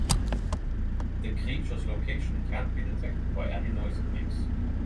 The creature’s location can be detected by any noise it makes.